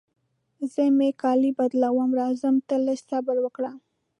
زه مې کالي بدلوم، راځم ته لږ صبر وکړه.